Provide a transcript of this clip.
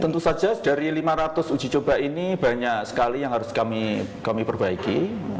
tentu saja dari lima ratus uji coba ini banyak sekali yang harus kami perbaiki